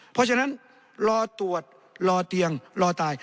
เพราะฉะนั้นรอตรวจรอเตียงรอตาย